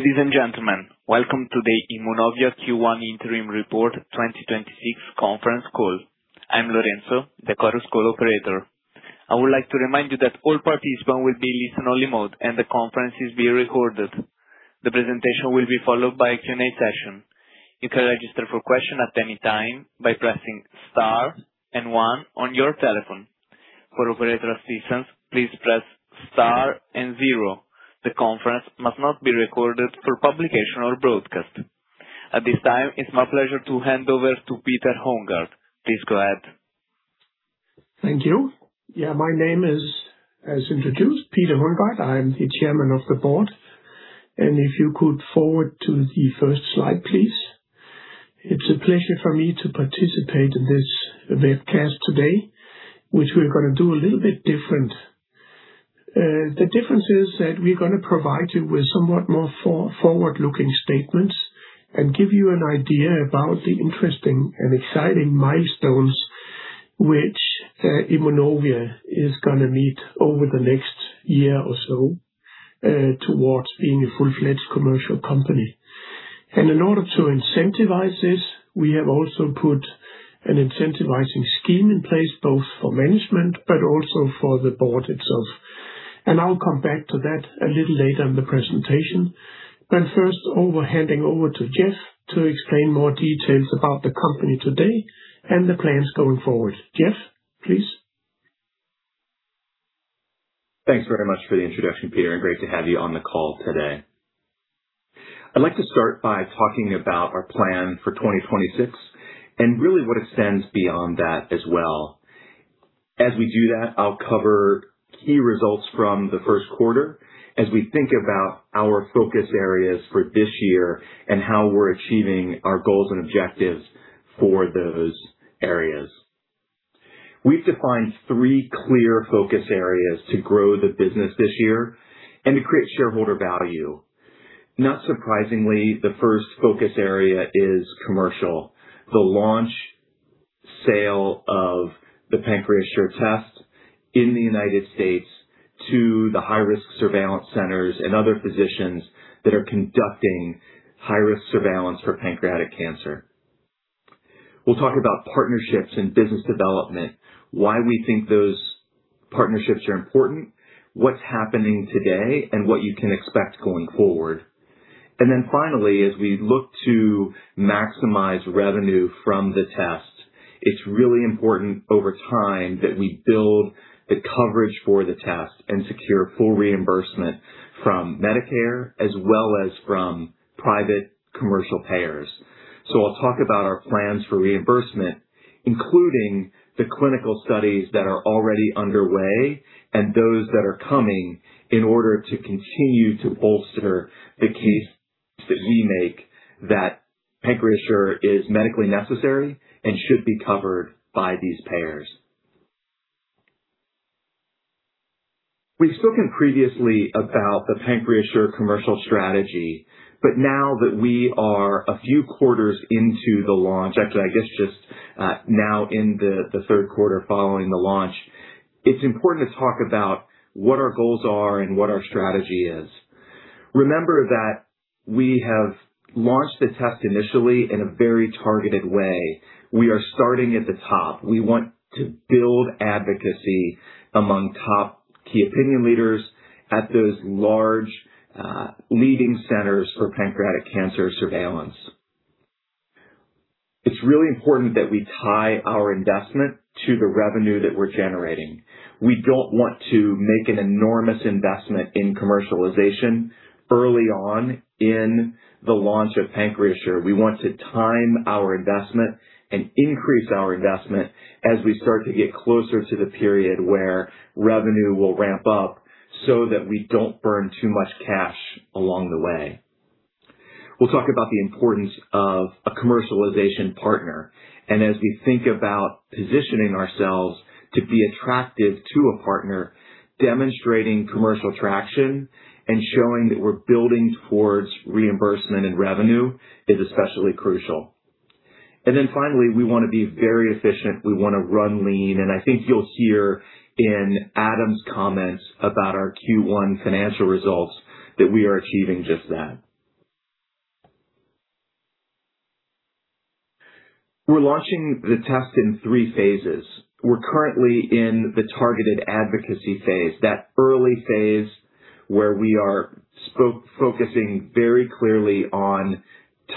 Ladies and gentlemen, welcome to the Immunovia Q1 interim report 2026 conference call. I'm Lorenzo, the Chorus Call operator. I would like to remind you that all participants will be in listen-only mode, and the conference is being recorded. The presentation will be followed by a Q&A session. You can register for question at any time by pressing star and one on your telephone. For operator assistance, please press star and zero. The conference must not be recorded for publication or broadcast. At this time, it's my pleasure to hand over to Peter Høngaard. Please go ahead. Thank you. Yeah, my name is, as introduced, Peter Høngaard. I'm the Chairman of the board. If you could forward to the first slide, please. It's a pleasure for me to participate in this webcast today, which we're gonna do a little bit different. The difference is that we're gonna provide you with somewhat more forward-looking statements and give you an idea about the interesting and exciting milestones which Immunovia is gonna meet over the next year or so towards being a full-fledged commercial company. In order to incentivize this, we have also put an incentivizing scheme in place, both for management but also for the board itself. I'll come back to that a little later in the presentation. First, handing over to Jeff to explain more details about the company today and the plans going forward. Jeff, please. Thanks very much for the introduction, Peter, and great to have you on the call today. I'd like to start by talking about our plan for 2026 and really what extends beyond that as well. As we do that, I'll cover key results from the first quarter as we think about our focus areas for this year and how we're achieving our goals and objectives for those areas. We've defined three clear focus areas to grow the business this year and to create shareholder value. Not surprisingly, the first focus area is commercial, the launch sale of the PancreaSure test in the United States to the high-risk surveillance centers and other physicians that are conducting high-risk surveillance for pancreatic cancer. We'll talk about partnerships and business development, why we think those partnerships are important, what's happening today, and what you can expect going forward. Finally, as we look to maximize revenue from the test, it's really important over time that we build the coverage for the test and secure full reimbursement from Medicare as well as from private commercial payers. I'll talk about our plans for reimbursement, including the clinical studies that are already underway and those that are coming in order to continue to bolster the case that we make that PancreaSure is medically necessary and should be covered by these payers. We've spoken previously about the PancreaSure commercial strategy, but now that we are a few quarters into the launch, actually, I guess just now in the third quarter following the launch, it's important to talk about what our goals are and what our strategy is. Remember that we have launched the test initially in a very targeted way. We are starting at the top. We want to build advocacy among top key opinion leaders at those large, leading centers for pancreatic cancer surveillance. It's really important that we tie our investment to the revenue that we're generating. We don't want to make an enormous investment in commercialization early on in the launch of PancreaSure. We want to time our investment and increase our investment as we start to get closer to the period where revenue will ramp up, so that we don't burn too much cash along the way. We'll talk about the importance of a commercialization partner. As we think about positioning ourselves to be attractive to a partner, demonstrating commercial traction and showing that we're building towards reimbursement and revenue is especially crucial. Finally, we wanna be very efficient. We wanna run lean, and I think you'll hear in Adam's comments about our Q1 financial results that we are achieving just that. We're launching the test in three phases. We're currently in the targeted advocacy phase, that early phase where we are focusing very clearly on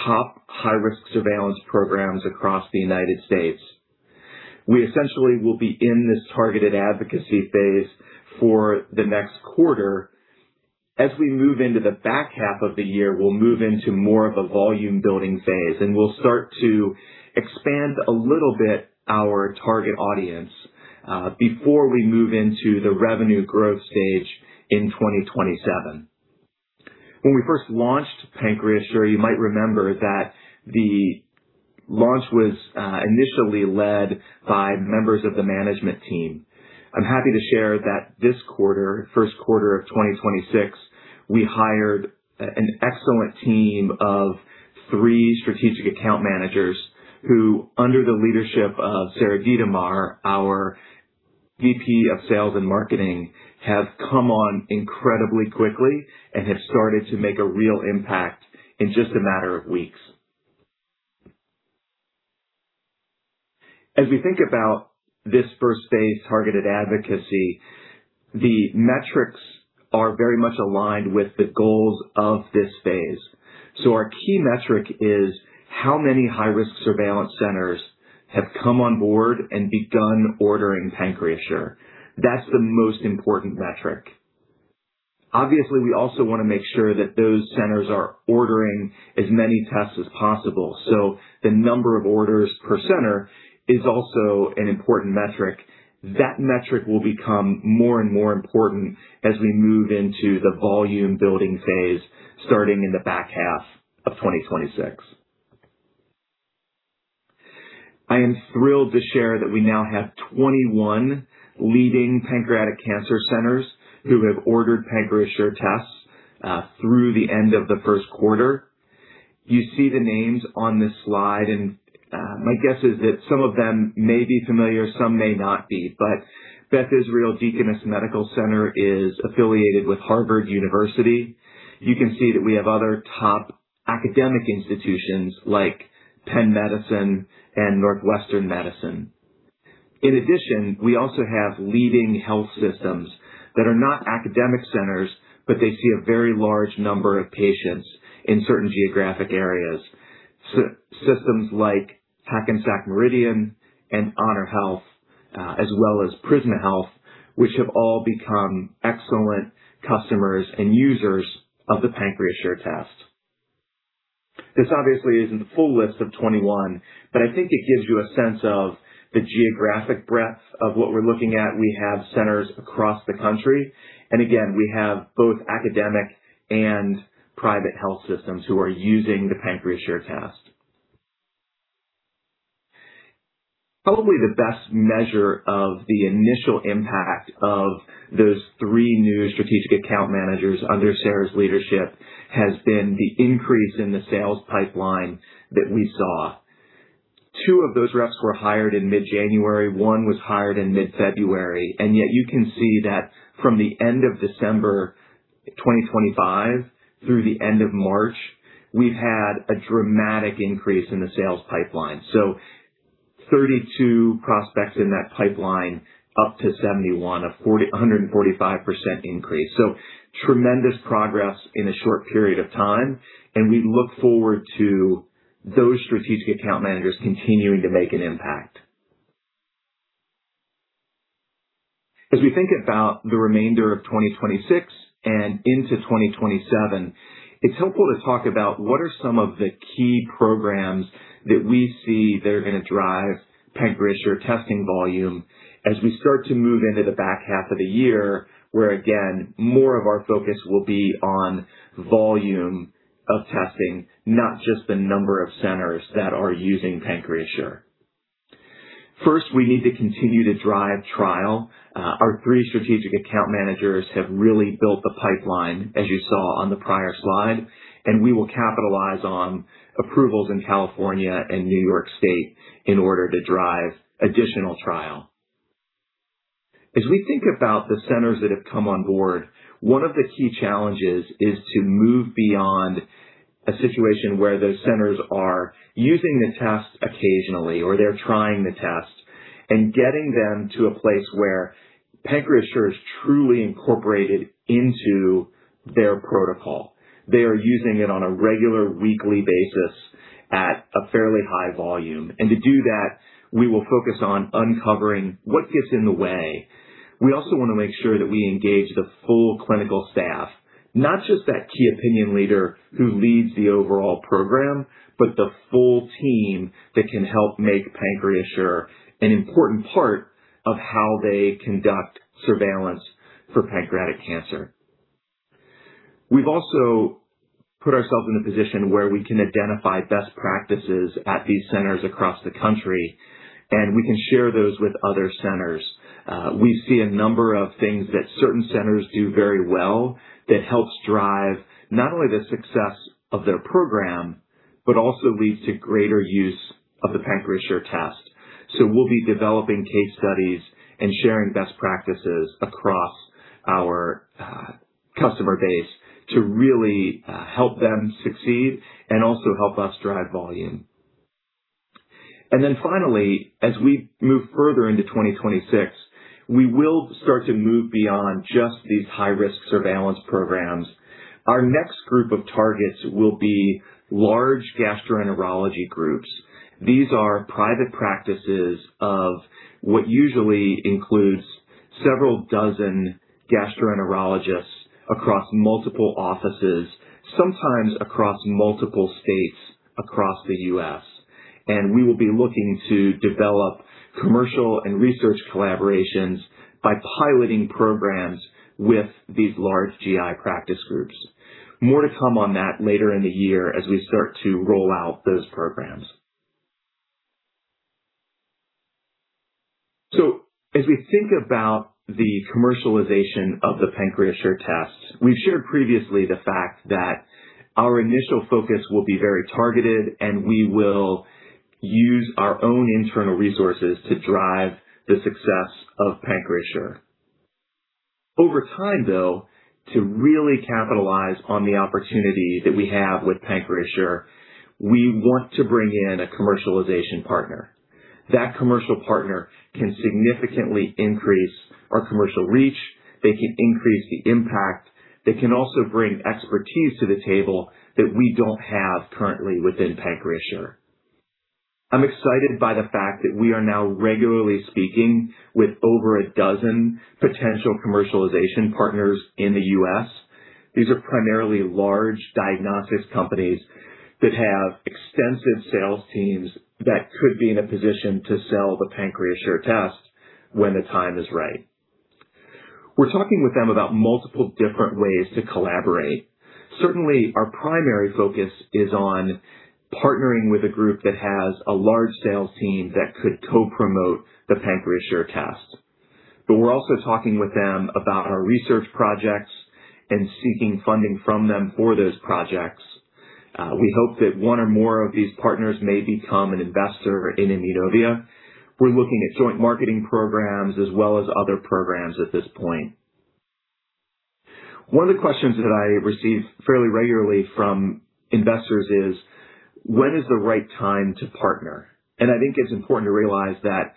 top high-risk surveillance programs across the U.S. We essentially will be in this targeted advocacy phase for the next quarter. As we move into the back half of the year, we'll move into more of a volume-building phase, and we'll start to expand a little bit our target audience before we move into the revenue growth stage in 2027. When we first launched PancreaSure, you might remember that the launch was initially led by members of the management team. I'm happy to share that this quarter, first quarter of 2026, we hired an excellent team of three strategic account managers who, under the leadership of Sarah Ditmars, our VP of Sales and Marketing, have come on incredibly quickly and have started to make a real impact in just a matter of weeks. As we think about this first phase, targeted advocacy, the metrics are very much aligned with the goals of this phase. Our key metric is how many high-risk surveillance centers have come on board and begun ordering PancreaSure. That's the most important metric. Obviously, we also want to make sure that those centers are ordering as many tests as possible. The number of orders per center is also an important metric. That metric will become more and more important as we move into the volume building phase starting in the back half of 2026. I am thrilled to share that we now have 21 leading pancreatic cancer centers who have ordered PancreaSure tests through the end of the first quarter. You see the names on this slide, and my guess is that some of them may be familiar, some may not be. Beth Israel Deaconess Medical Center is affiliated with Harvard University. You can see that we have other top academic institutions like Penn Medicine and Northwestern Medicine. In addition, we also have leading health systems that are not academic centers, but they see a very large number of patients in certain geographic areas. Systems like Hackensack Meridian and HonorHealth, as well as Prisma Health, which have all become excellent customers and users of the PancreaSure test. This obviously isn't the full list of 21, but I think it gives you a sense of the geographic breadth of what we're looking at. We have centers across the country, and again, we have both academic and private health systems who are using the PancreaSure test. Probably the best measure of the initial impact of those three new strategic account managers under Sarah's leadership has been the increase in the sales pipeline that we saw. Two of those reps were hired in mid-January 1, was hired in mid-February, and yet you can see that from the end of December 2025 through the end of March, we've had a dramatic increase in the sales pipeline. 32 prospects in that pipeline up to 71, a 145% increase. Tremendous progress in a short period of time, and we look forward to those strategic account managers continuing to make an impact. As we think about the remainder of 2026 and into 2027, it's helpful to talk about what are some of the key programs that we see that are gonna drive PancreaSure testing volume as we start to move into the back half of the year, where again, more of our focus will be on volume of testing, not just the number of centers that are using PancreaSure. First, we need to continue to drive trial. Our three strategic account managers have really built the pipeline, as you saw on the prior slide, and we will capitalize on approvals in California and New York State in order to drive additional trial. As we think about the centers that have come on board, one of the key challenges is to move beyond a situation where those centers are using the test occasionally or they're trying the test and getting them to a place where PancreaSure is truly incorporated into their protocol. They are using it on a regular weekly basis at a fairly high volume. To do that, we will focus on uncovering what gets in the way. We also want to make sure that we engage the full clinical staff, not just that key opinion leader who leads the overall program, but the full team that can help make PancreaSure an important part of how they conduct surveillance for pancreatic cancer. We've also put ourselves in a position where we can identify best practices at these centers across the country, and we can share those with other centers. We see a number of things that certain centers do very well that helps drive not only the success of their program, but also leads to greater use of the PancreaSure test. We'll be developing case studies and sharing best practices across our customer base to really help them succeed and also help us drive volume. Finally, as we move further into 2026, we will start to move beyond just these high-risk surveillance programs. Our next group of targets will be large gastroenterology groups. These are private practices of what usually includes several dozen gastroenterologists across multiple offices, sometimes across multiple states across the U.S. We will be looking to develop commercial and research collaborations by piloting programs with these large GI practice groups. More to come on that later in the year as we start to roll out those programs. As we think about the commercialization of the PancreaSure test, we've shared previously the fact that our initial focus will be very targeted, and we will use our own internal resources to drive the success of PancreaSure. Over time, though, to really capitalize on the opportunity that we have with PancreaSure, we want to bring in a commercialization partner. That commercial partner can significantly increase our commercial reach. They can increase the impact. They can also bring expertise to the table that we don't have currently within PancreaSure. I'm excited by the fact that we are now regularly speaking with over a dozen potential commercialization partners in the U.S. These are primarily large diagnostics companies that have extensive sales teams that could be in a position to sell the PancreaSure test when the time is right. We're talking with them about multiple different ways to collaborate. Certainly, our primary focus is on partnering with a group that has a large sales team that could co-promote the PancreaSure test. We're also talking with them about our research projects and seeking funding from them for those projects. We hope that one or more of these partners may become an investor in Immunovia. We're looking at joint marketing programs as well as other programs at this point. One of the questions that I receive fairly regularly from investors is: When is the right time to partner? I think it's important to realize that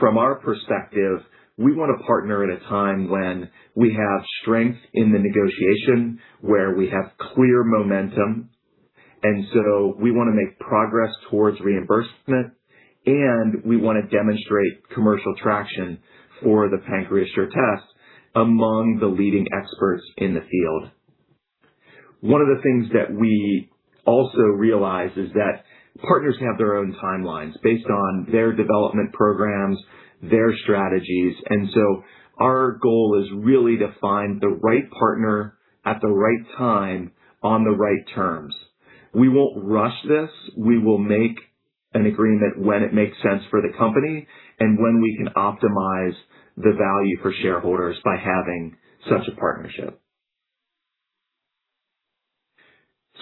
from our perspective, we want to partner at a time when we have strength in the negotiation, where we have clear momentum, and so we want to make progress towards reimbursement, and we want to demonstrate commercial traction for the PancreaSure test among the leading experts in the field. One of the things that we also realize is that partners have their own timelines based on their development programs, their strategies. Our goal is really to find the right partner at the right time on the right terms. We won't rush this. We will make an agreement when it makes sense for the company and when we can optimize the value for shareholders by having such a partnership.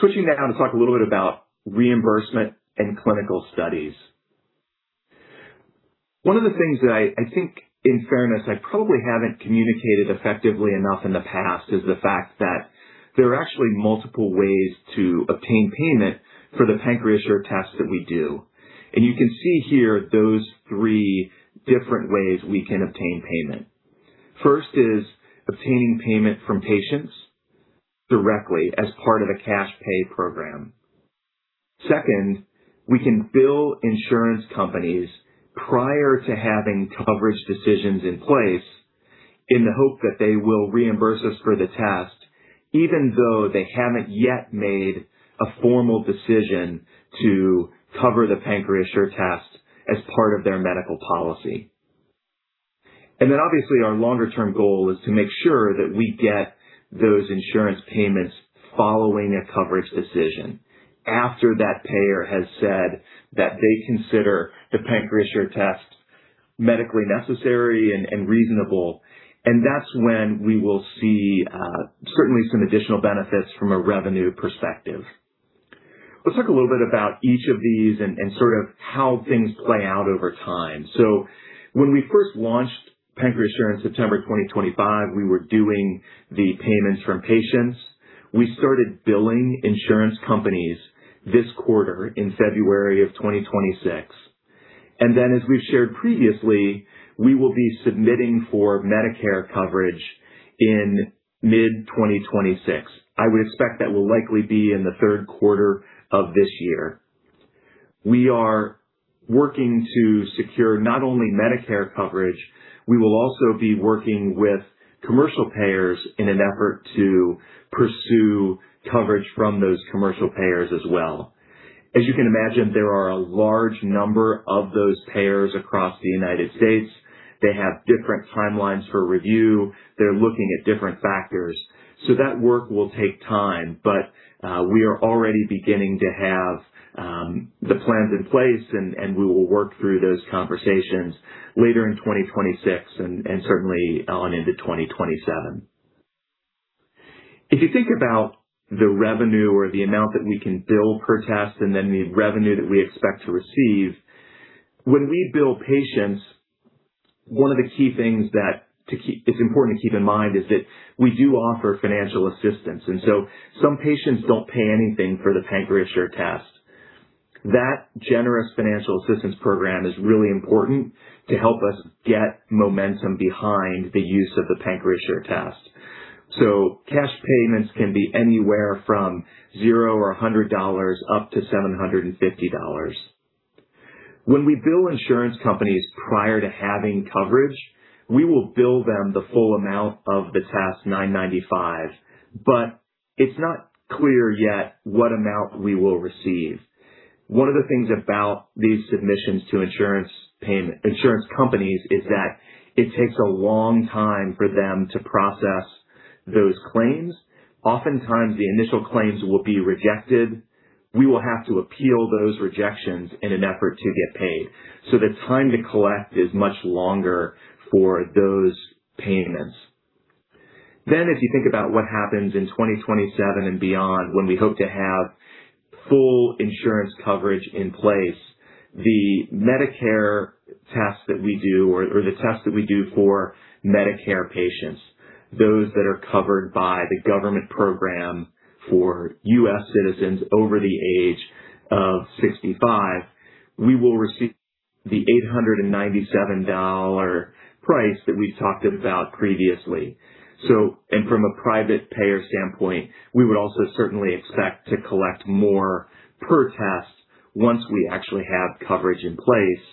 Switching now to talk a little bit about reimbursement and clinical studies. One of the things that I think, in fairness, I probably haven't communicated effectively enough in the past is the fact that there are actually multiple ways to obtain payment for the PancreaSure test that we do. You can see here those three different ways we can obtain payment. First is obtaining payment from patients directly as part of a cash pay program. Second, we can bill insurance companies prior to having coverage decisions in place in the hope that they will reimburse us for the test, even though they haven't yet made a formal decision to cover the PancreaSure test as part of their medical policy. Obviously, our longer-term goal is to make sure that we get those insurance payments following a coverage decision after that payer has said that they consider the PancreaSure test medically necessary and reasonable. That's when we will see certainly some additional benefits from a revenue perspective. Let's talk a little bit about each of these and sort of how things play out over time. When we first launched PancreaSure in September 2025, we were doing the payments from patients. We started billing insurance companies this quarter in February of 2026. As we've shared previously, we will be submitting for Medicare coverage in mid-2026. I would expect that will likely be in the third quarter of this year. We are working to secure not only Medicare coverage, we will also be working with commercial payers in an effort to pursue coverage from those commercial payers as well. As you can imagine, there are a large number of those payers across the United States. They have different timelines for review. They're looking at different factors. That work will take time, but we are already beginning to have the plans in place, and we will work through those conversations later in 2026 and certainly on into 2027. If you think about the revenue or the amount that we can bill per test and then the revenue that we expect to receive, when we bill patients, one of the key things that it's important to keep in mind is that we do offer financial assistance, and so some patients don't pay anything for the PancreaSure test. That generous financial assistance program is really important to help us get momentum behind the use of the PancreaSure test. Cash payments can be anywhere from zero or $100 up to $750. When we bill insurance companies prior to having coverage, we will bill them the full amount of the test, $995, but it's not clear yet what amount we will receive. One of the things about these submissions to insurance companies is that it takes a long time for them to process those claims. Oftentimes, the initial claims will be rejected. We will have to appeal those rejections in an effort to get paid. The time to collect is much longer for those payments. If you think about what happens in 2027 and beyond, when we hope to have full insurance coverage in place, the Medicare test that we do or the test that we do for Medicare patients, those that are covered by the government program for U.S. citizens over the age of 65, we will receive the $897 price that we've talked about previously. From a private payer standpoint, we would also certainly expect to collect more per test once we actually have coverage in place.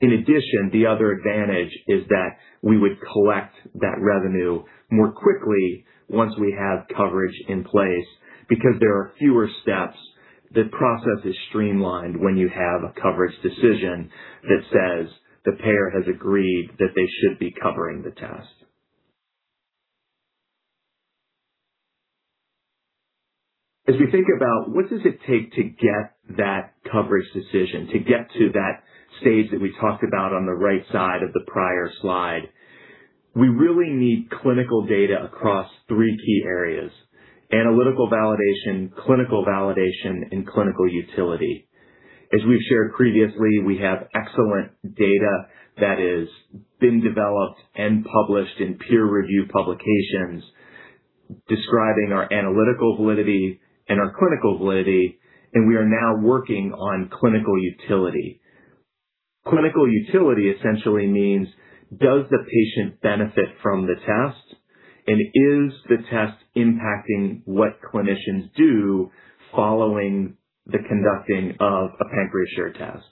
In addition, the other advantage is that we would collect that revenue more quickly once we have coverage in place because there are fewer steps. The process is streamlined when you have a coverage decision that says the payer has agreed that they should be covering the test. As we think about what does it take to get that coverage decision, to get to that stage that we talked about on the right side of the prior slide, we really need clinical data across three key areas: analytical validation, clinical validation, and clinical utility. As we've shared previously, we have excellent data that has been developed and published in peer-reviewed publications describing our analytical validity and our clinical validity, and we are now working on clinical utility. Clinical utility essentially means does the patient benefit from the test, and is the test impacting what clinicians do following the conducting of a PancreaSure test.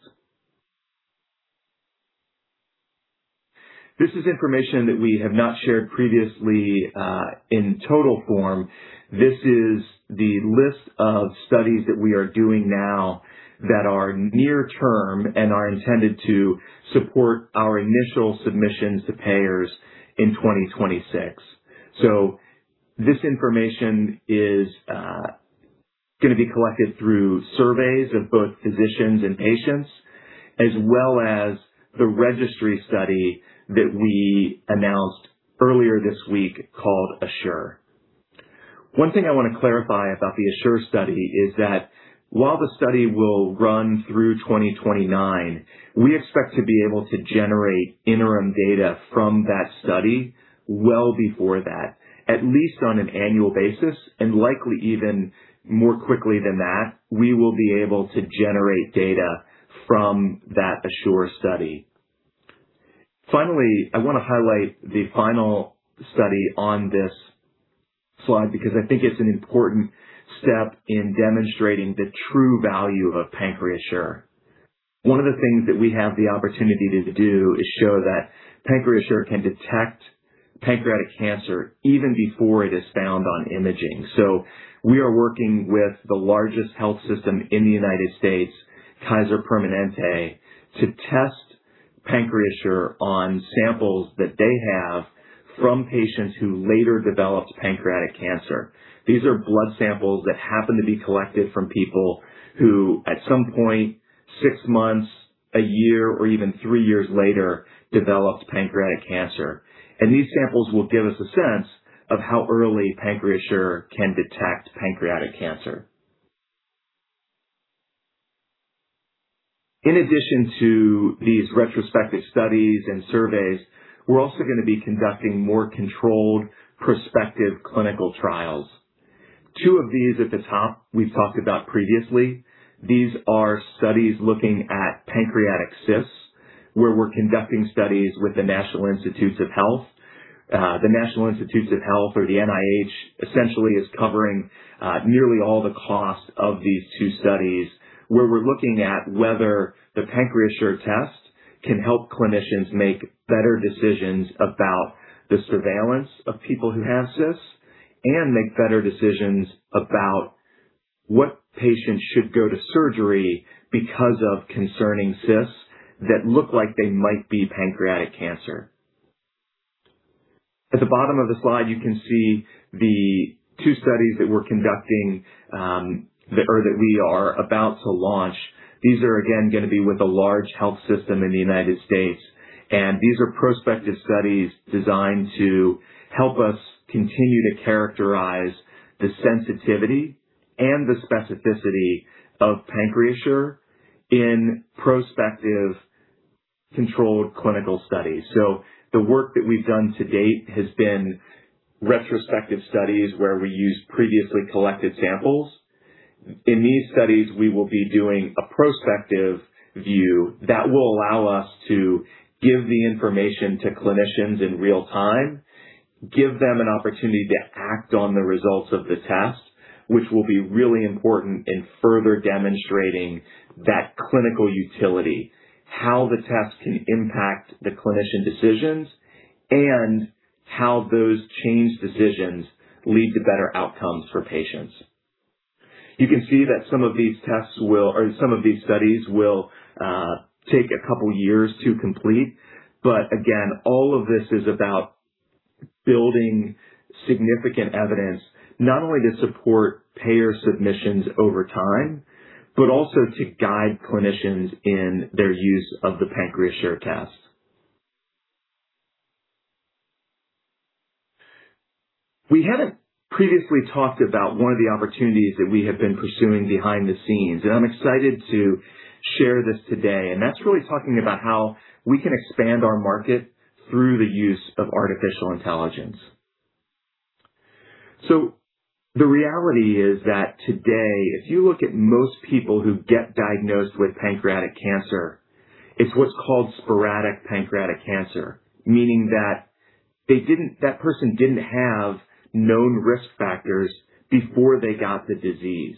This is information that we have not shared previously in total form. This is the list of studies that we are doing now that are near term and are intended to support our initial submissions to payers in 2026. This information is gonna be collected through surveys of both physicians and patients, as well as the registry study that we announced earlier this week called ASSURE. One thing I wanna clarify about the ASSURE study is that while the study will run through 2029, we expect to be able to generate interim data from that study well before that, at least on an annual basis and likely even more quickly than that, we will be able to generate data from that ASSURE study. Finally, I wanna highlight the final study on this slide because I think it's an important step in demonstrating the true value of PancreaSure. One of the things that we have the opportunity to do is show that PancreaSure can detect pancreatic cancer even before it is found on imaging. We are working with the largest health system in the U.S., Kaiser Permanente, to test PancreaSure on samples that they have from patients who later developed pancreatic cancer. These are blood samples that happen to be collected from people who, at some point, six months, one year, or even three years later, developed pancreatic cancer. These samples will give us a sense of how early PancreaSure can detect pancreatic cancer. In addition to these retrospective studies and surveys, we're also gonna be conducting more controlled prospective clinical trials. Two of these at the top we've talked about previously. These are studies looking at pancreatic cysts, where we're conducting studies with the National Institutes of Health. The National Institutes of Health or the NIH essentially is covering nearly all the costs of these two studies, where we're looking at whether the PancreaSure test can help clinicians make better decisions about the surveillance of people who have cysts and make better decisions about what patients should go to surgery because of concerning cysts that look like they might be pancreatic cancer. At the bottom of the slide, you can see the two studies that we're conducting, or that we are about to launch. These are, again, gonna be with a large health system in the United States. These are prospective studies designed to help us continue to characterize the sensitivity and the specificity of PancreaSure in prospective controlled clinical studies. The work that we've done to date has been retrospective studies where we used previously collected samples. In these studies, we will be doing a prospective view that will allow us to give the information to clinicians in real time, give them an opportunity to act on the results of the test, which will be really important in further demonstrating that clinical utility, how the test can impact the clinician decisions, and how those changed decisions lead to better outcomes for patients. You can see that some of these tests will or some of these studies will take a couple years to complete. Again, all of this is about building significant evidence not only to support payer submissions over time, but also to guide clinicians in their use of the PancreaSure test. We haven't previously talked about one of the opportunities that we have been pursuing behind the scenes, and I'm excited to share this today, and that's really talking about how we can expand our market through the use of artificial intelligence. The reality is that today, if you look at most people who get diagnosed with pancreatic cancer, it's what's called sporadic pancreatic cancer, meaning that person didn't have known risk factors before they got the disease.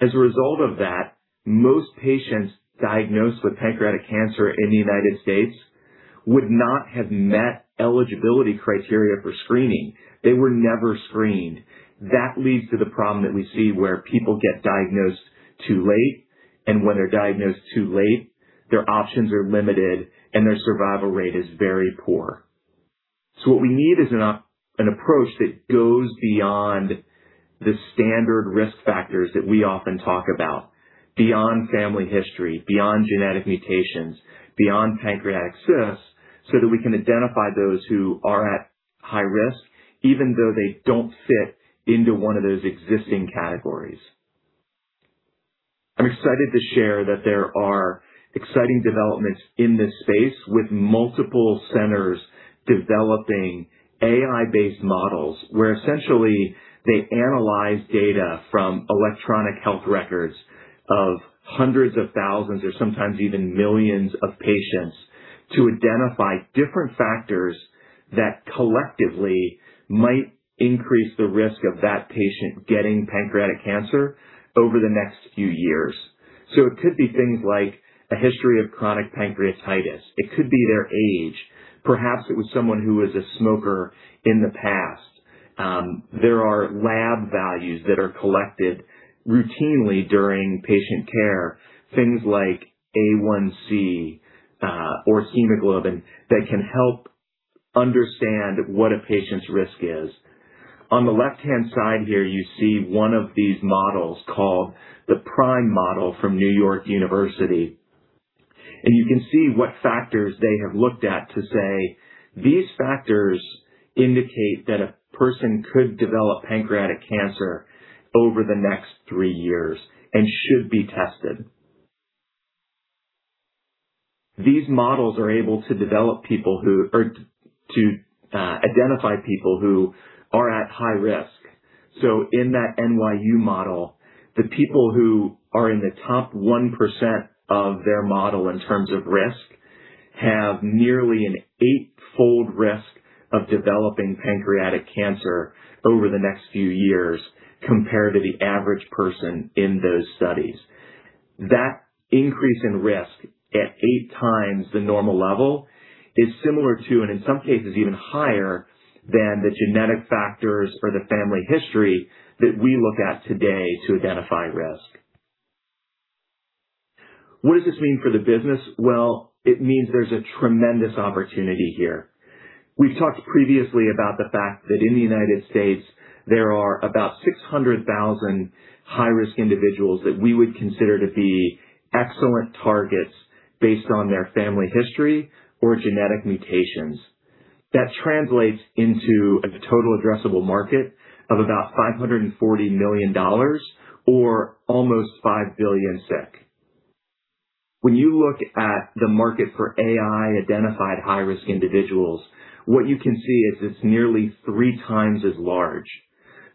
As a result of that, most patients diagnosed with pancreatic cancer in the United States would not have met eligibility criteria for screening. They were never screened. That leads to the problem that we see where people get diagnosed too late, and when they're diagnosed too late, their options are limited and their survival rate is very poor. What we need is an approach that goes beyond the standard risk factors that we often talk about, beyond family history, beyond genetic mutations, beyond pancreatic cysts, so that we can identify those who are at high risk even though they don't fit into 1 of those existing categories. I'm excited to share that there are exciting developments in this space with multiple centers developing AI-based models where essentially they analyze data from electronic health records of hundreds of thousands or sometimes even millions of patients to identify different factors that collectively might increase the risk of that patient getting pancreatic cancer over the next few years. It could be things like a history of chronic pancreatitis. It could be their age. Perhaps it was someone who was a smoker in the past. There are lab values that are collected routinely during patient care, things like A1C or hemoglobin that can help understand what a patient's risk is. On the left-hand side here, you see one of these models called the PRIME model from New York University. You can see what factors they have looked at to say these factors indicate that a person could develop pancreatic cancer over the next three years and should be tested. These models are able to identify people who are at high risk. In that NYU model, the people who are in the top 1% of their model in terms of risk have nearly an eight-fold risk of developing pancreatic cancer over the next few years compared to the average person in those studies. That increase in risk at eight times the normal level is similar to, and in some cases even higher than, the genetic factors or the family history that we look at today to identify risk. What does this mean for the business? Well, it means there's a tremendous opportunity here. We've talked previously about the fact that in the U.S., there are about 600,000 high-risk individuals that we would consider to be excellent targets based on their family history or genetic mutations. That translates into a total addressable market of about $540 million or almost 5 billion. When you look at the market for AI-identified high-risk individuals, what you can see is it's nearly three times as large.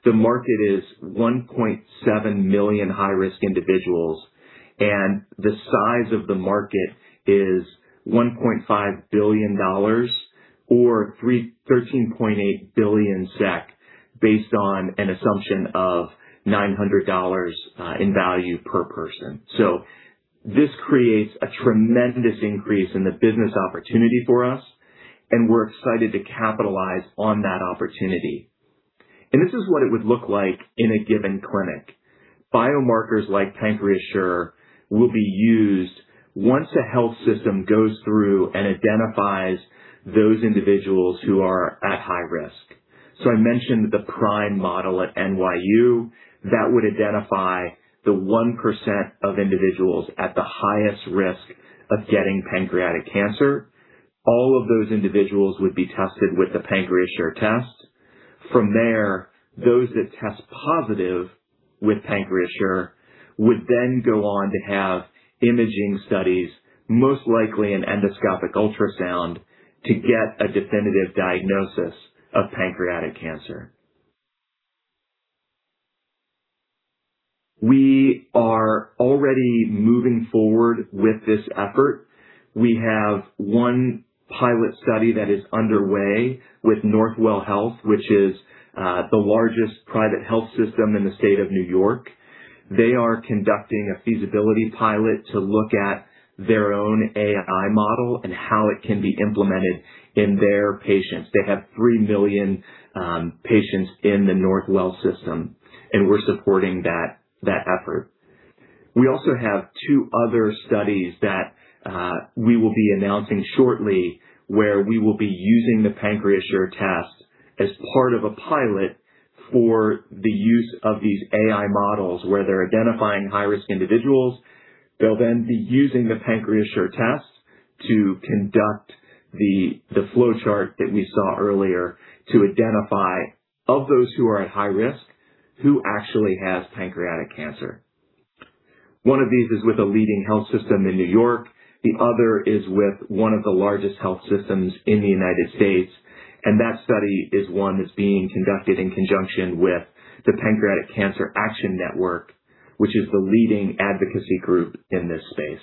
The market is 1.7 million high-risk individuals, and the size of the market is $1.5 billion or 13.8 billion SEK, based on an assumption of $900 in value per person. This creates a tremendous increase in the business opportunity for us, and we're excited to capitalize on that opportunity. This is what it would look like in a given clinic. Biomarkers like PancreaSure will be used once a health system goes through and identifies those individuals who are at high risk. I mentioned the PRIME model at NYU. That would identify the 1% of individuals at the highest risk of getting pancreatic cancer. All of those individuals would be tested with a PancreaSure test. Those that test positive with PancreaSure would then go on to have imaging studies, most likely an endoscopic ultrasound, to get a definitive diagnosis of pancreatic cancer. We are already moving forward with this effort. We have one pilot study that is underway with Northwell Health, which is the largest private health system in the state of N.Y. They are conducting a feasibility pilot to look at their own AI model and how it can be implemented in their patients. They have 3 million patients in the Northwell system, we're supporting that effort. We also have two other studies that we will be announcing shortly, where we will be using the PancreaSure test as part of a pilot for the use of these AI models where they're identifying high-risk individuals. They'll then be using the PancreaSure test to conduct the flowchart that we saw earlier to identify, of those who are at high risk, who actually has pancreatic cancer. One of these is with a leading health system in New York, the other is with one of the largest health systems in the United States, and that study is one that's being conducted in conjunction with the Pancreatic Cancer Action Network, which is the leading advocacy group in this space.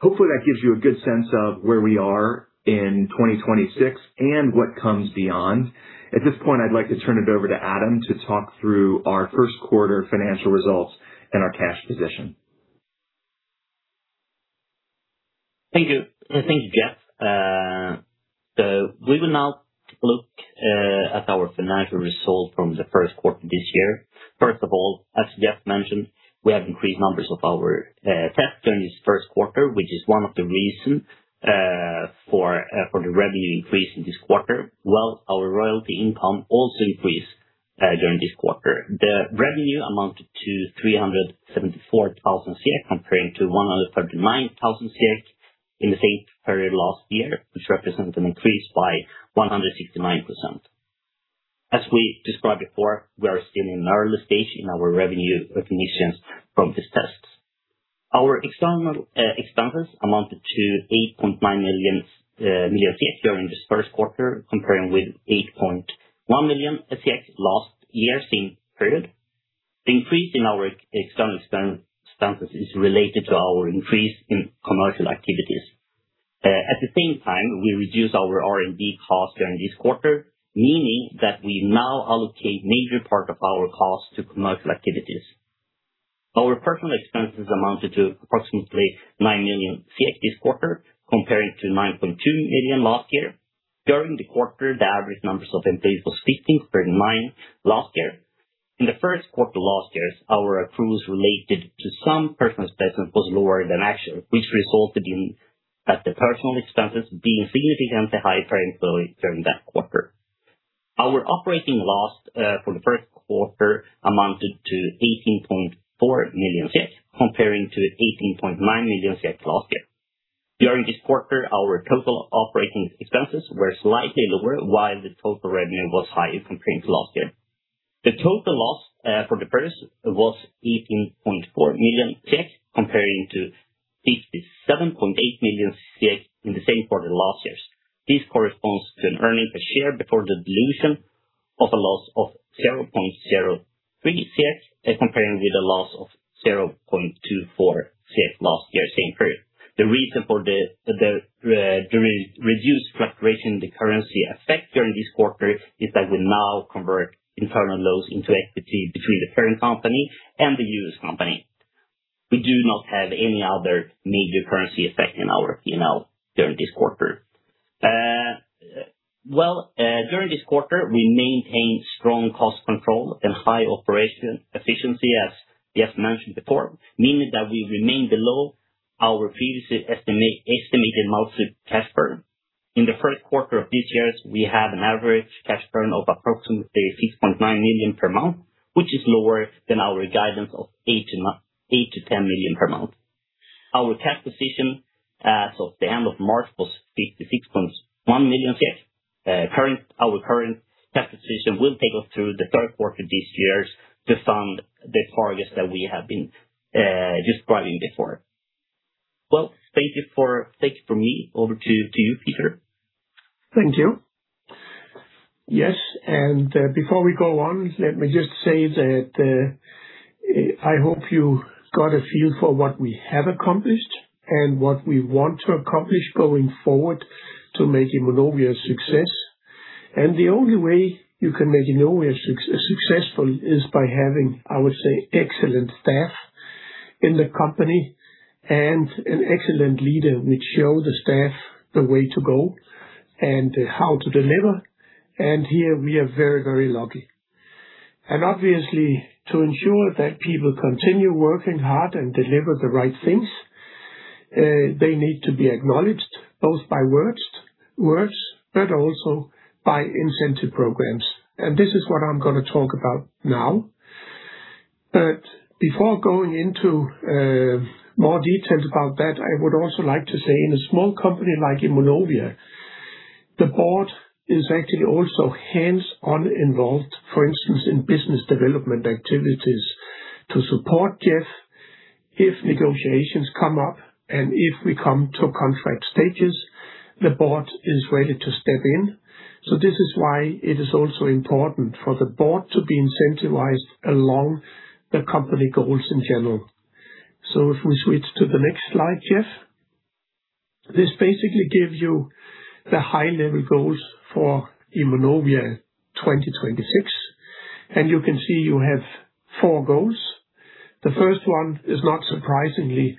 Hopefully, that gives you a good sense of where we are in 2026 and what comes beyond. At this point, I'd like to turn it over to Adam to talk through our first quarter financial results and our cash position. Thank you. Thank you, Jeff. We will now look at our financial results from the first quarter this year. First of all, as Jeff mentioned, we have increased numbers of our tests during this first quarter, which is one of the reason for the revenue increase in this quarter. Well, our royalty income also increased during this quarter. The revenue amounted to 374,000, comparing to 139,000 in the same period last year, which represents an increase by 169%. As we described before, we are still in an early stage in our revenue recognitions from this test. Our external expenses amounted to 8.9 million during this first quarter, comparing with 8.1 million last year's same period. The increase in our external expenses is related to our increase in commercial activities. At the same time, we reduced our R&D costs during this quarter, meaning that we now allocate major part of our cost to commercial activities. Our personnel expenses amounted to approximately 9 million this quarter, comparing to 9.2 million last year. During the quarter, the average numbers of employees was 15, compared to nine last year. In the first quarter last years, our accruals related to some personnel expenses was lower than actual, which resulted in that the personnel expenses being significantly higher compared to during that quarter. Our operating loss for the first quarter amounted to 18.4 million, comparing to 18.9 million last year. During this quarter, our total operating expenses were slightly lower while the total revenue was higher comparing to last year. The total loss for the first was 18.4 million, comparing to 57.8 million in the same quarter last years. This corresponds to an earning per share before the dilution of a loss of 0.03, comparing with the loss of 0.24 last year same period. The reason for the reduced fluctuation in the currency effect during this quarter is that we now convert internal loans into equity between the parent company and the U.S. company. We do not have any other major currency effect in our P&L during this quarter. Well, during this quarter, we maintained strong cost control and high operation efficiency as Jeff mentioned before, meaning that we remained below our previous estimated monthly cash burn. In the first quarter of this year, we have an average cash burn of approximately 6.9 million per month, which is lower than our guidance of 8 million-10 million per month. Our cash position, so at the end of March was 56.1 million. Our current cash position will take us through the third quarter this years to fund the targets that we have been describing before. Well, thank you from me. Over to you, Peter. Thank you. Yes, before we go on, let me just say that I hope you got a feel for what we have accomplished and what we want to accomplish going forward to make Immunovia a success. The only way you can make Immunovia successful is by having, I would say, excellent staff in the company and an excellent leader which show the staff the way to go and how to deliver, and here we are very lucky. Obviously, to ensure that people continue working hard and deliver the right things, they need to be acknowledged, both by words, but also by incentive programs. This is what I'm gonna talk about now. Before going into more details about that, I would also like to say, in a small company like Immunovia, the board is actually also hands-on involved, for instance, in business development activities to support Jeff. If negotiations come up and if we come to contract stages, the board is ready to step in. This is why it is also important for the board to be incentivized along the company goals in general. If we switch to the next slide, Jeff. This basically gives you the high-level goals for Immunovia 2026, and you can see you have four goals. The first one is not surprisingly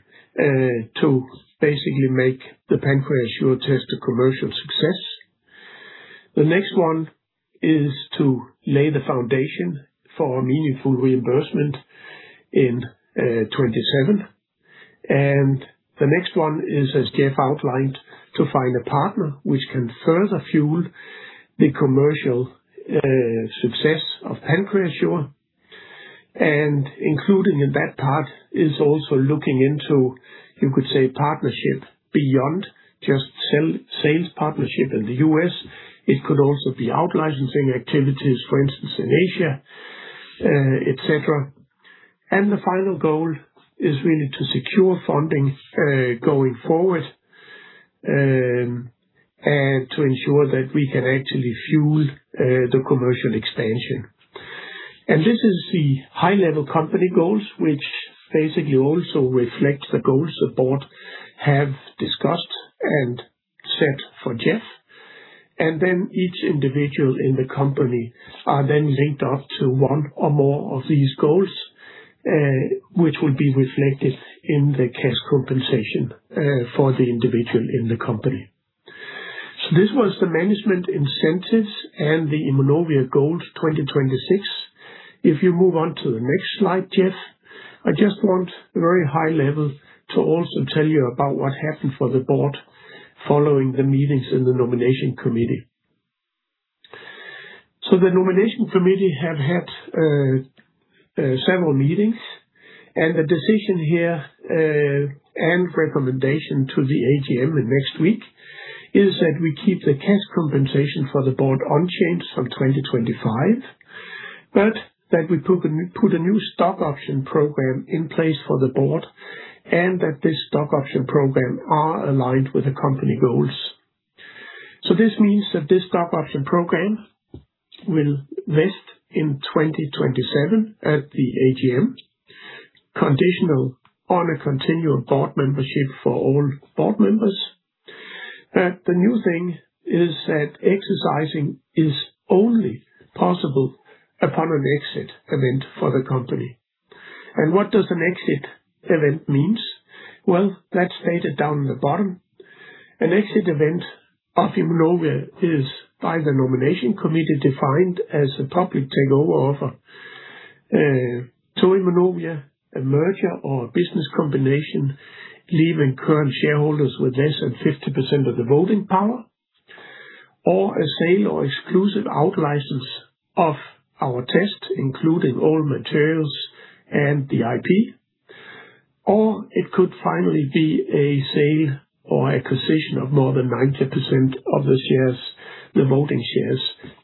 to basically make the PancreaSure test a commercial success. The next one is to lay the foundation for a meaningful reimbursement in 2027. The next one is, as Jeff outlined, to find a partner which can further fuel the commercial success of PancreaSure. Including in that part is also looking into, you could say, partnership beyond just sales partnership in the U.S. It could also be out-licensing activities, for instance, in Asia, et cetera. The final goal is really to secure funding going forward, and to ensure that we can actually fuel the commercial expansion. This is the high-level company goals, which basically also reflect the goals the board have discussed and set for Jeff. Each individual in the company are then linked up to one or more of these goals, which will be reflected in the cash compensation for the individual in the company. This was the management incentives and the Immunovia goals 2026. If you move on to the next slide, Jeff, I just want very high level to also tell you about what happened for the board following the meetings in the nomination committee. The nomination committee have had several meetings, and the decision here, and recommendation to the AGM in next week is that we keep the cash compensation for the board unchanged from 2025, but that we put a new stock option program in place for the board and that this stock option program are aligned with the company goals. This means that this stock option program will vest in 2027 at the AGM, conditional on a continual board membership for all board members. The new thing is that exercising is only possible upon an exit event for the company. What does an exit event means? Well, that's stated down the bottom. An exit event of Immunovia is, by the nomination committee, defined as a public takeover offer to Immunovia, a merger or a business combination, leaving current shareholders with less than 50% of the voting power, or a sale or exclusive out-license of our test, including all materials and the IP. It could finally be a sale or acquisition of more than 90% of the shares, the voting shares,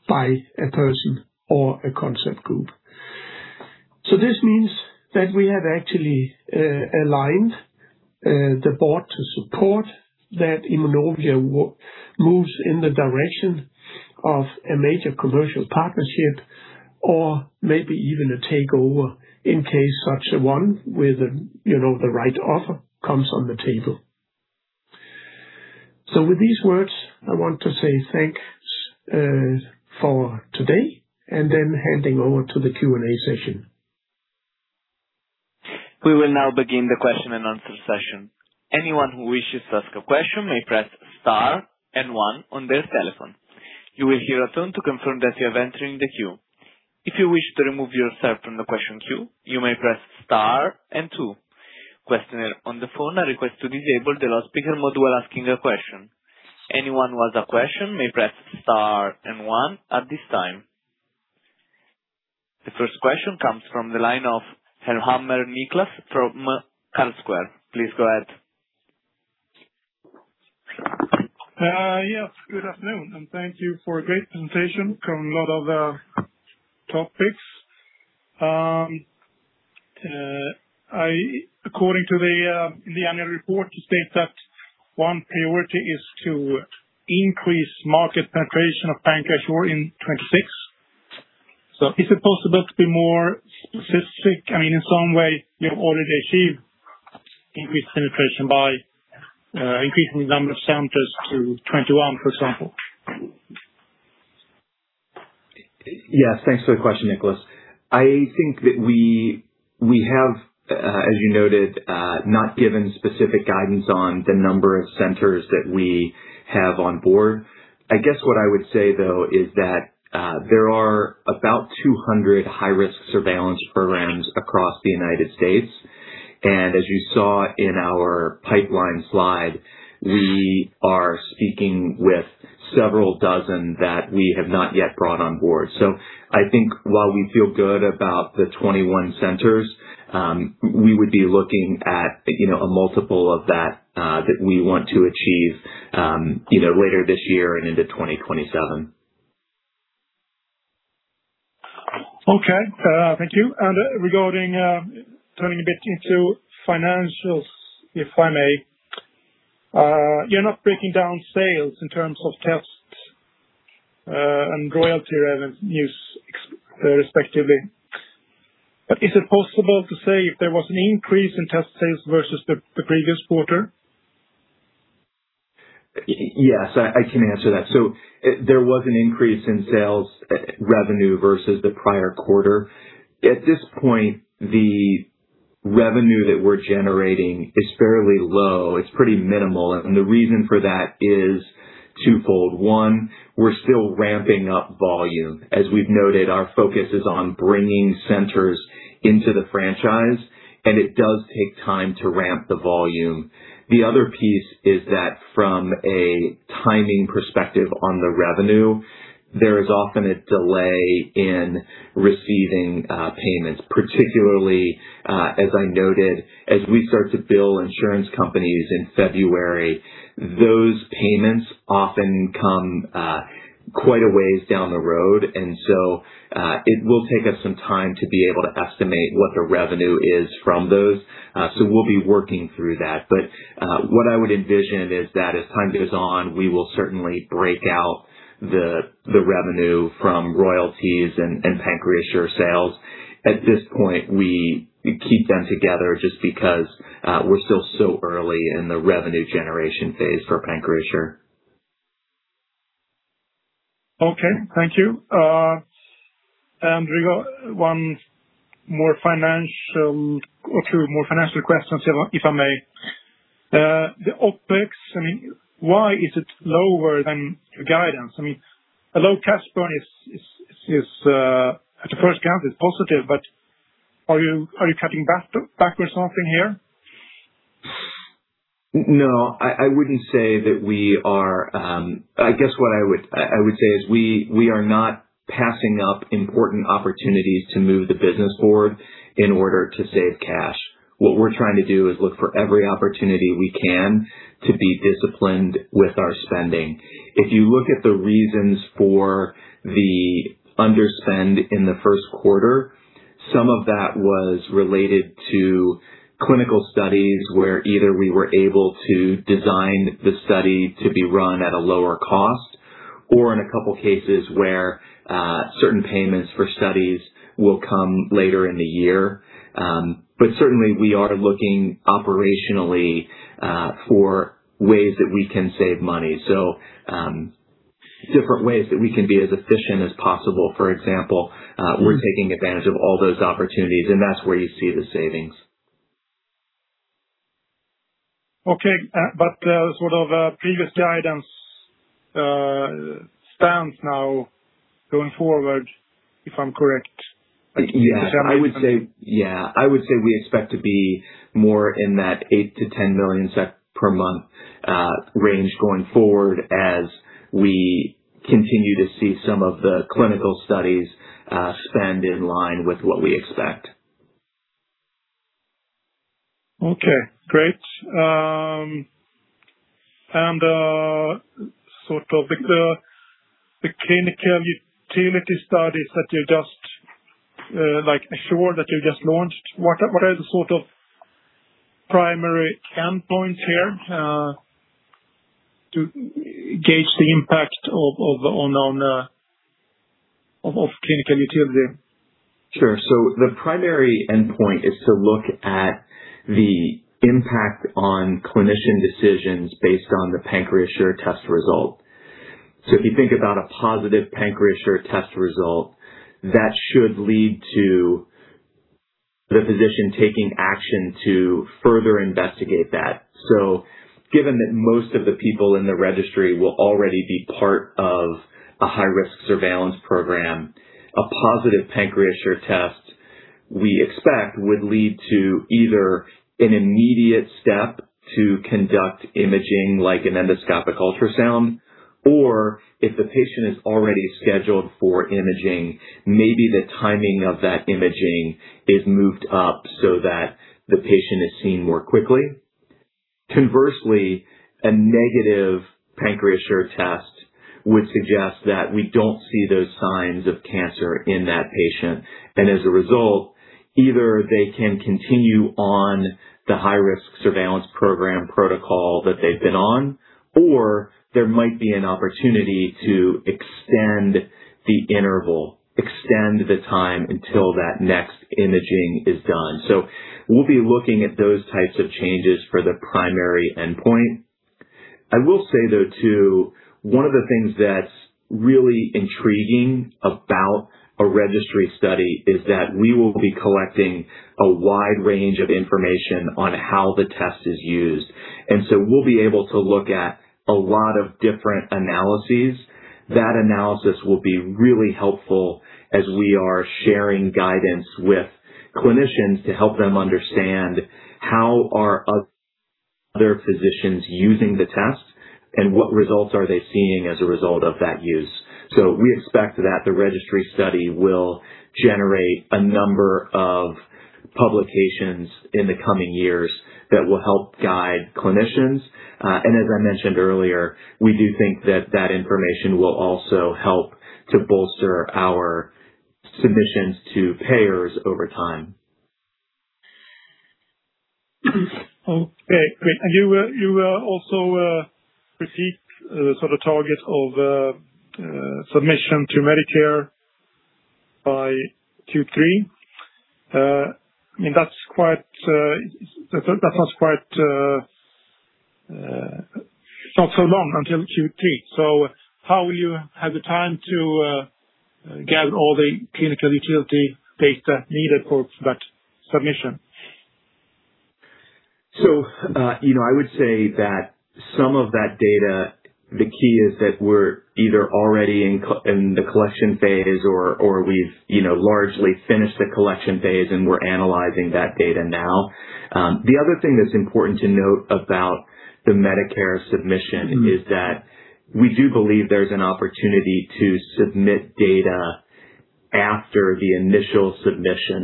by a person or a concert group. This means that we have actually aligned the board to support that Immunovia moves in the direction of a major commercial partnership or maybe even a takeover in case such a one with a, you know, the right offer comes on the table. With these words, I want to say thanks for today and then handing over to the Q&A session. We will now begin the Q&A session. Anyone who wishes to ask a question may press star one on their telephone. You will hear a tone to confirm that you are entering the queue. If you wish to remove yourself from the question queue, you may press star two. Questioner on the phone, a request to disable the loudspeaker mode while asking a question. Anyone who has a question may press star 1 at this time. The first question comes from the line of Elmhammer Niklas from Carlsquare. Please go ahead. Yes. Good afternoon, thank you for a great presentation. Covered a lot of topics. According to the annual report, you state that one priority is to increase market penetration of PancreaSure in 2026. Is it possible to be more specific? I mean, in some way, you have already achieved increased penetration by increasing the number of centers to 21, for example. Yes, thanks for the question, Niklas. I think that we have, as you noted, not given specific guidance on the number of centers that we have on board. I guess what I would say, though, is that there are about 200 high-risk surveillance programs across the U.S. As you saw in our pipeline slide, we are speaking with several dozen that we have not yet brought on board. I think while we feel good about the 21 centers, we would be looking at, you know, a multiple of that that we want to achieve, later this year and into 2027. Okay. Thank you. Regarding, turning a bit into financials, if I may. You're not breaking down sales in terms of tests, and royalty revenues, respectively. Is it possible to say if there was an increase in test sales versus the previous quarter? Yes, I can answer that. There was an increase in sales revenue versus the prior quarter. At this point, the revenue that we're generating is fairly low. It's pretty minimal. The reason for that is twofold. One, we're still ramping up volume. As we've noted, our focus is on bringing centers into the franchise, and it does take time to ramp the volume. The other piece is that from a timing perspective on the revenue, there is often a delay in receiving payments, particularly as I noted, as we start to bill insurance companies in February, those payments often come quite a ways down the road. It will take us some time to be able to estimate what the revenue is from those. We'll be working through that. What I would envision is that as time goes on, we will certainly break out the revenue from royalties and PancreaSure sales. At this point, we keep them together just because we're still so early in the revenue generation phase for PancreaSure. Okay. Thank you. We got one more financial or two more financial questions, if I may. The OpEx, I mean, why is it lower than the guidance? I mean, a low cash burn is at the first count is positive, but are you cutting back backwards or something here? No, I wouldn't say that we are. I guess what I would say is we are not passing up important opportunities to move the business forward in order to save cash. What we're trying to do is look for every opportunity we can to be disciplined with our spending. If you look at the reasons for the underspend in the first quarter, some of that was related to clinical studies where either we were able to design the study to be run at a lower cost or in a couple cases where certain payments for studies will come later in the year. Certainly we are looking operationally for ways that we can save money. Different ways that we can be as efficient as possible, for example. We're taking advantage of all those opportunities, and that's where you see the savings. Okay. Sort of, previous guidance, stands now going forward, if I'm correct? Yeah, I would say we expect to be more in that 8 million-10 million per month range going forward as we continue to see some of the clinical studies spend in line with what we expect. Okay, great. Sort of the clinical utility studies that you just, like ASSURE that you just launched, what are the sort of primary endpoints here, to gauge the impact of on of clinical utility? Sure. The primary endpoint is to look at the impact on clinician decisions based on the PancreaSure test result. If you think about a positive PancreaSure test result, that should lead to the physician taking action to further investigate that. Given that most of the people in the registry will already be part of a high-risk surveillance program, a positive PancreaSure test, we expect, would lead to either an immediate step to conduct imaging like an endoscopic ultrasound, or if the patient is already scheduled for imaging, maybe the timing of that imaging is moved up so that the patient is seen more quickly. Conversely, a negative PancreaSure test would suggest that we don't see those signs of cancer in that patient. As a result, either they can continue on the high-risk surveillance program protocol that they've been on, or there might be an opportunity to extend the interval, extend the time until that next imaging is done. We'll be looking at those types of changes for the primary endpoint. I will say, though, too, one of the things that's really intriguing about a registry study is that we will be collecting a wide range of information on how the test is used. We'll be able to look at a lot of different analyses. That analysis will be really helpful as we are sharing guidance with clinicians to help them understand how are other physicians using the test and what results are they seeing as a result of that use. We expect that the registry study will generate a number of publications in the coming years that will help guide clinicians. As I mentioned earlier, we do think that that information will also help to bolster our submissions to payers over time. Okay, great. You will also proceed sort of target of submission to Medicare by Q3. I mean, that's quite, that's not quite, not so long until Q3. How will you have the time to gather all the clinical utility data needed for that submission? You know, I would say that some of that data, the key is that we're either already in the collection phase or we've, you know, largely finished the collection phase and we're analyzing that data now. The other thing that's important to note about the Medicare submission. -is that we do believe there's an opportunity to submit data after the initial submission.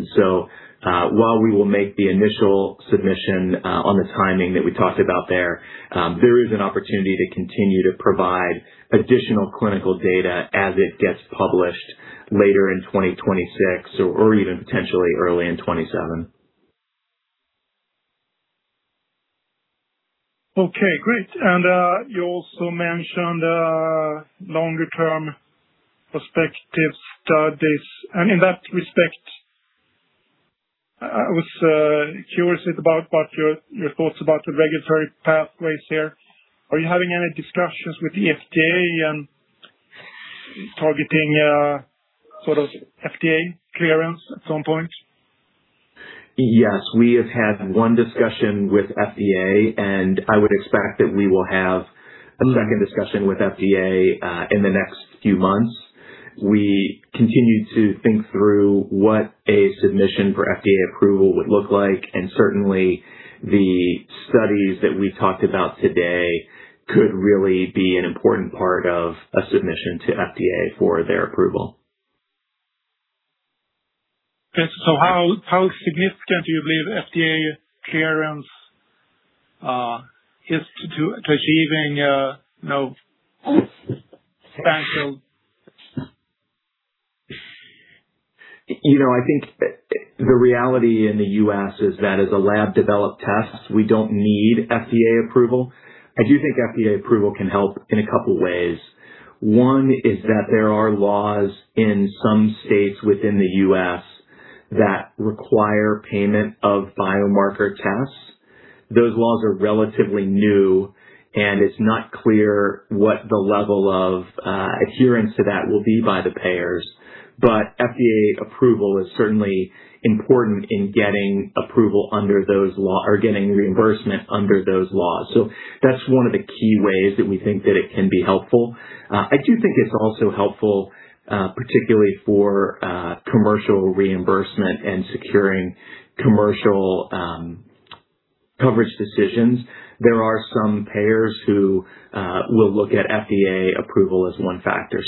While we will make the initial submission, on the timing that we talked about there is an opportunity to continue to provide additional clinical data as it gets published later in 2026 or even potentially early in 2027. Okay, great. You also mentioned longer-term prospective studies. In that respect, I was curious about what your thoughts about the regulatory pathways here. Are you having any discussions with the FDA and targeting sort of FDA clearance at some point? Yes. We have had one discussion with FDA. I would expect that we will have a second discussion with FDA in the next few months. We continue to think through what a submission for FDA approval would look like. Certainly the studies that we talked about today could really be an important part of a submission to FDA for their approval. Okay. How significant do you believe FDA clearance is to achieving, you know, financial-? You know, I think the reality in the U.S. is that as a lab-developed test, we don't need FDA approval. I do think FDA approval can help in a couple of ways. One is that there are laws in some states within the U.S. that require payment of biomarker tests. Those laws are relatively new, and it's not clear what the level of adherence to that will be by the payers. FDA approval is certainly important in getting approval or getting reimbursement under those laws. That's one of the key ways that we think that it can be helpful. I do think it's also helpful, particularly for commercial reimbursement and securing commercial coverage decisions. There are some payers who will look at FDA approval as one factor.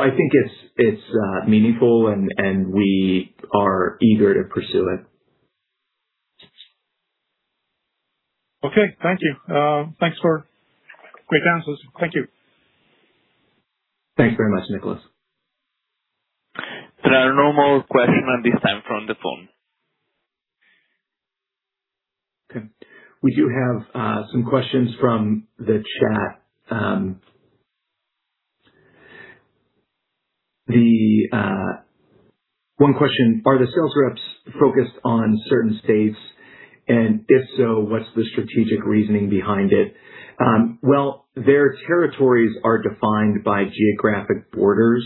I think it's meaningful and we are eager to pursue it. Okay. Thank you. Thanks for great answers. Thank you. Thanks very much, Niklas. There are no more questions at this time from the phone. Okay. We do have some questions from the chat. The one question, are the sales reps focused on certain states, and if so, what's the strategic reasoning behind it? Well, their territories are defined by geographic borders,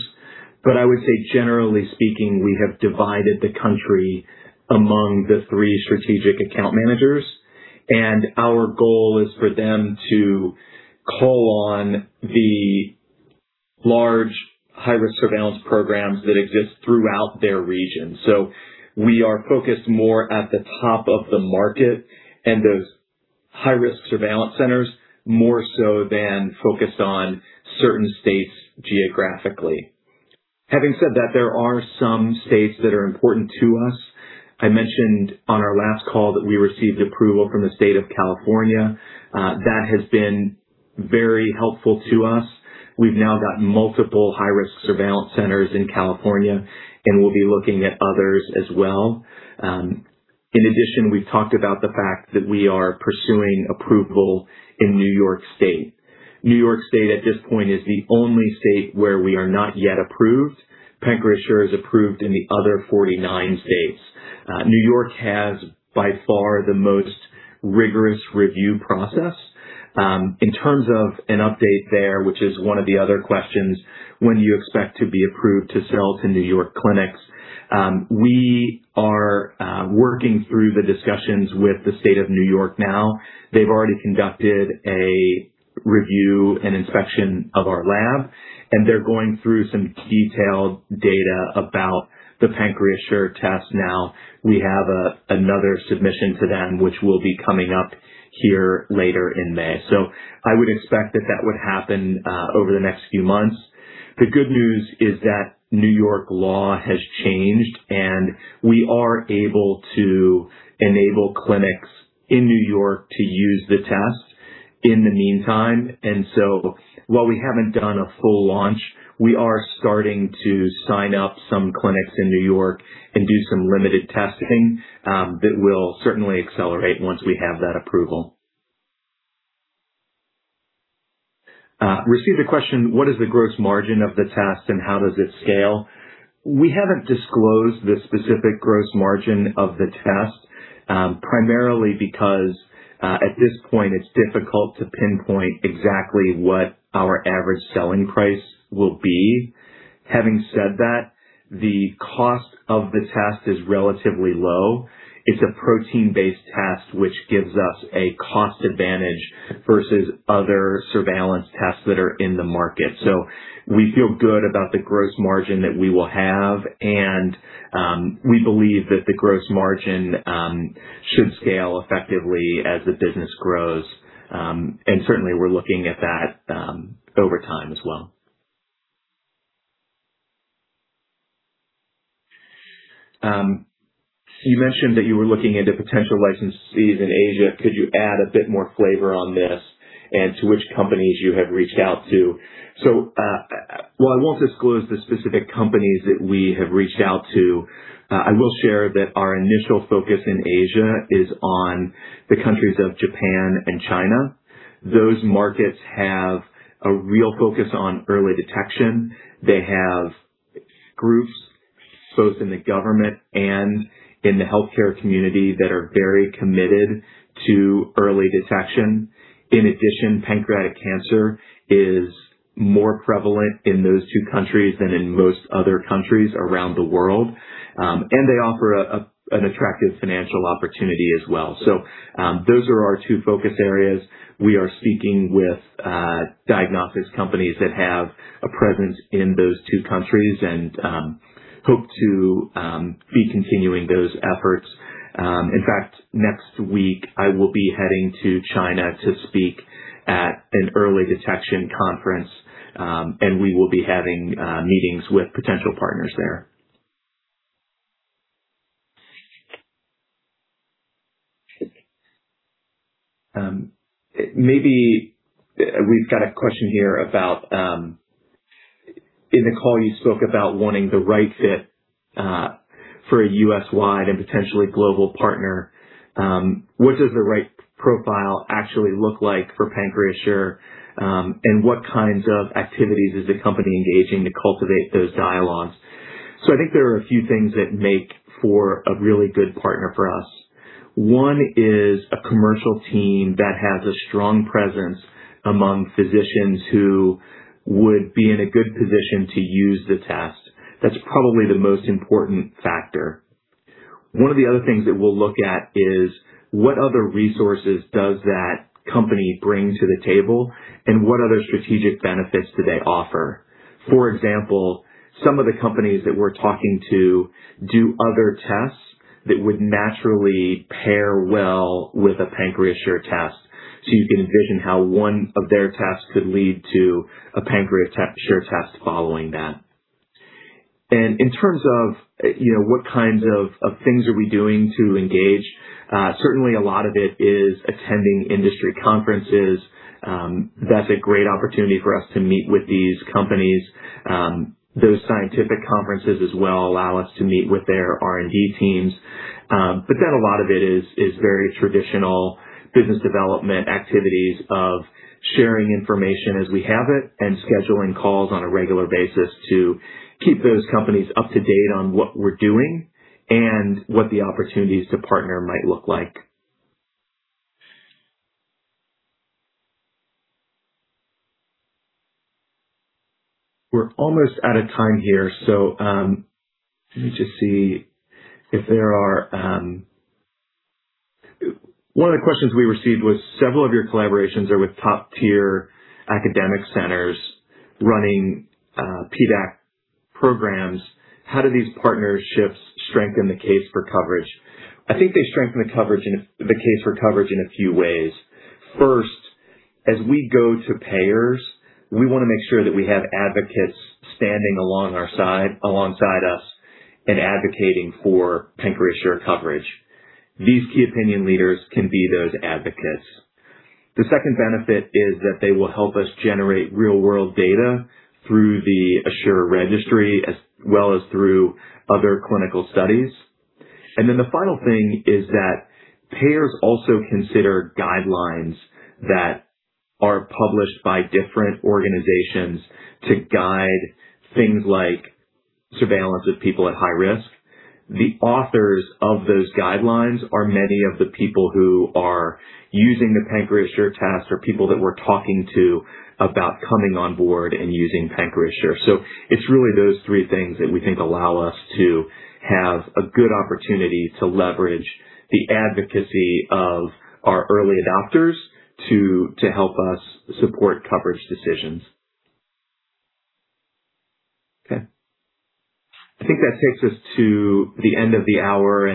but I would say generally speaking, we have divided the country among the three strategic account managers, and our goal is for them to call on the large high-risk surveillance programs that exist throughout their region. We are focused more at the top of the market and those high-risk surveillance centers, more so than focused on certain states geographically. Having said that, there are some states that are important to us. I mentioned on our last call that we received approval from the state of California. That has been very helpful to us. We've now got multiple high-risk surveillance centers in California. We'll be looking at others as well. In addition, we've talked about the fact that we are pursuing approval in New York State. New York State at this point is the only state where we are not yet approved. PancreaSure is approved in the other 49 states. New York has by far the most rigorous review process. In terms of an update there, which is one of the other questions, when do you expect to be approved to sell to New York clinics? We are working through the discussions with the State of New York now. They've already conducted a review and inspection of our lab, and they're going through some detailed data about the PancreaSure test now. We have another submission to them, which will be coming up here later in May. I would expect that that would happen over the next few months. The good news is that New York law has changed, and we are able to enable clinics in New York to use the test in the meantime. While we haven't done a full launch, we are starting to sign up some clinics in New York and do some limited testing, that will certainly accelerate once we have that approval. Received a question, what is the gross margin of the test and how does it scale? We haven't disclosed the specific gross margin of the test, primarily because, at this point it's difficult to pinpoint exactly what our average selling price will be. Having said that, the cost of the test is relatively low. It's a protein-based test, which gives us a cost advantage versus other surveillance tests that are in the market. We feel good about the gross margin that we will have, and we believe that the gross margin should scale effectively as the business grows. Certainly we're looking at that over time as well. You mentioned that you were looking into potential licensees in Asia. Could you add a bit more flavor on this and to which companies you have reached out to? While I won't disclose the specific companies that we have reached out to, I will share that our initial focus in Asia is on the countries of Japan and China. Those markets have a real focus on early detection. They have groups both in the government and in the healthcare community that are very committed to early detection. In addition, pancreatic cancer is more prevalent in those two countries than in most other countries around the world. They offer an attractive financial opportunity as well. Those are our two focus areas. We are speaking with diagnostics companies that have a presence in those two countries and hope to be continuing those efforts. In fact, next week I will be heading to China to speak at an early detection conference, and we will be having meetings with potential partners there. Maybe we've got a question here about in the call you spoke about wanting the right fit for a U.S.-wide and potentially global partner. What does the right profile actually look like for PancreaSure? What kinds of activities is the company engaging to cultivate those dialogues? I think there are a few things that make for a really good partner for us. One is a commercial team that has a strong presence among physicians who would be in a good position to use the test. That's probably the most important factor. One of the other things that we'll look at is what other resources does that company bring to the table and what other strategic benefits do they offer. For example, some of the companies that we're talking to do other tests that would naturally pair well with a PancreaSure test. You can envision how one of their tests could lead to a PancreaSure test following that. In terms of, you know, what kinds of things are we doing to engage, certainly a lot of it is attending industry conferences. That's a great opportunity for us to meet with these companies. Those scientific conferences as well allow us to meet with their R&D teams. A lot of it is very traditional business development activities of sharing information as we have it and scheduling calls on a regular basis to keep those companies up to date on what we're doing and what the opportunities to partner might look like. We're almost out of time here, let me just see if there are. One of the questions we received was several of your collaborations are with top-tier academic centers running PDAC programs. How do these partnerships strengthen the case for coverage? I think they strengthen the case for coverage in a few ways. First, as we go to payers, we want to make sure that we have advocates standing along our side, alongside us and advocating for PancreaSure coverage. These key opinion leaders can be those advocates. The second benefit is that they will help us generate real-world data through the ASSURE Registry as well as through other clinical studies. The final thing is that payers also consider guidelines that are published by different organizations to guide things like surveillance of people at high risk. The authors of those guidelines are many of the people who are using the PancreaSure test or people that we're talking to about coming on board and using PancreaSure. It's really those three things that we think allow us to have a good opportunity to leverage the advocacy of our early adopters to help us support coverage decisions. Okay. I think that takes us to the end of the hour.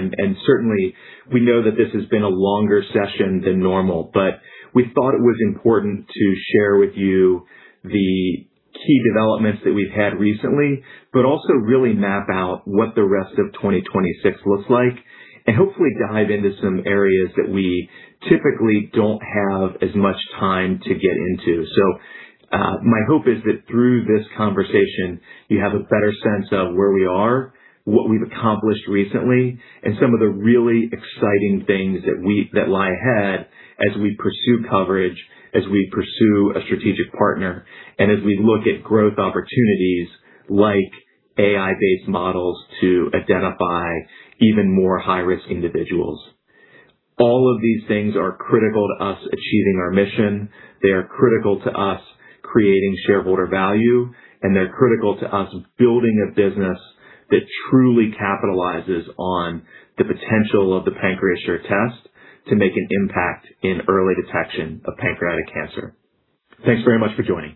Certainly we know that this has been a longer session than normal, but we thought it was important to share with you the key developments that we've had recently. Also really map out what the rest of 2026 looks like and hopefully dive into some areas that we typically don't have as much time to get into. My hope is that through this conversation, you have a better sense of where we are, what we've accomplished recently, some of the really exciting things that lie ahead as we pursue coverage, as we pursue a strategic partner, as we look at growth opportunities like AI-based models to identify even more high-risk individuals. All of these things are critical to us achieving our mission. They are critical to us creating shareholder value, and they're critical to us building a business that truly capitalizes on the potential of the PancreaSure test to make an impact in early detection of pancreatic cancer. Thanks very much for joining.